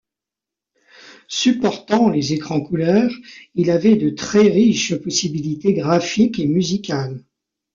Supportant les écrans couleurs, il avait de très riches possibilités graphiques et musicales.